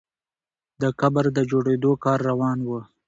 د قبر د جوړېدو کار روان وو.